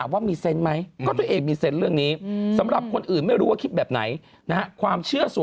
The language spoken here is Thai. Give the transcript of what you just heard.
รู้สึกว่ามันไม่ใช่แล้ว